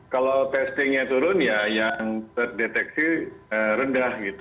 kalau testingnya turun ya yang terdeteksi rendah gitu